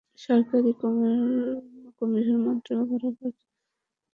সরকারি কর্মকমিশন মন্ত্রণালয়ে বারবার তাগাদা দেওয়ার পরেও তারা শূন্যপদের বিপরীতে চাহিদা দিচ্ছে না।